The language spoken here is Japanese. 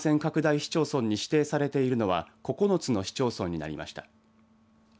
市町村に指定されているのは９つの市町村になりました。